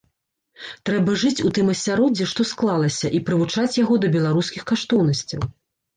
Трэба жыць у тым асяроддзі, што склалася, і прывучаць яго да беларускіх каштоўнасцяў.